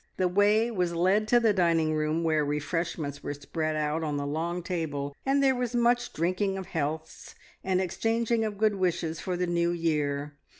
The way was led to the dining room, where refreshments were spread out on the long table, and there was much drinking of healths and exchanging of good wishes for the New Year.